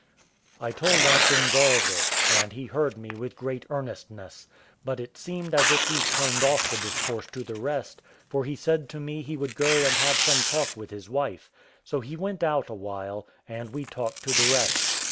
I told Atkins all this, and he heard me with great earnestness; but it seemed as if he turned off the discourse to the rest, for he said to me he would go and have some talk with his wife; so he went out a while, and we talked to the rest.